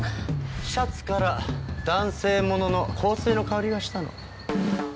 シャツから男性物の香水の香りがしたの。